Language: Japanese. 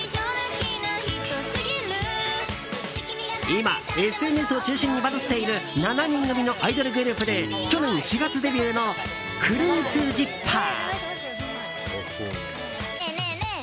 今、ＳＮＳを中心にバズっている７人組のアイドルグループで去年４月デビューのＦＲＵＩＴＳＺＩＰＰＥＲ。